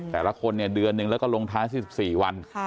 แต่ละคนเนี่ยเดือนหนึ่งแล้วก็ลงท้าย๑๔วัน